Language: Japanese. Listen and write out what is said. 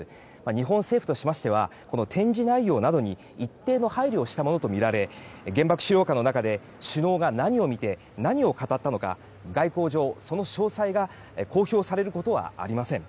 日本政府としましては展示内容などに一定の配慮をしたものとみられ原爆資料館の中で首脳が何を見て何を語ったのか外交上、その詳細が公表されることはありません。